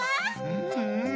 うんうん！